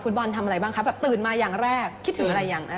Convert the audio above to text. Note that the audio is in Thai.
บอลทำอะไรบ้างคะแบบตื่นมาอย่างแรกคิดถึงอะไรอย่างนั้น